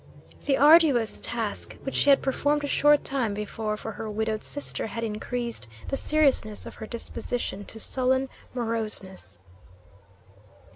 The arduous task which she had performed a short time before for her widowed sister had increased the seriousness of her disposition to sullen moroseness.